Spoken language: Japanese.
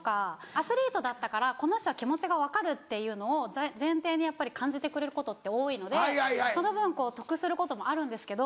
アスリートだったからこの人は気持ちが分かるっていうのを前提にやっぱり感じてくれることって多いのでその分こう得することもあるんですけど。